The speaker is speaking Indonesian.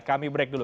kami break dulu